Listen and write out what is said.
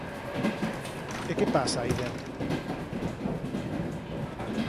E que pasa aí dentro?